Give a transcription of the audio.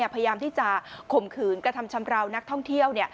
พยายามที่จะข่มขืนกระทำชำราวนักท่องเที่ยว